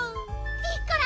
ピッコラ